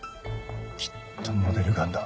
きっとモデルガンだ。